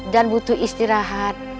dan butuh istirahat